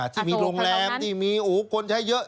ที่มีโรงแรมที่มีคนใช้เยอะ